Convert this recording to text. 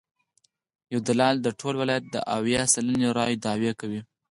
یو دلال د ټول ولایت د اویا سلنې رایو دعوی کوي.